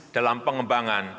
dalam pengembangan batu bara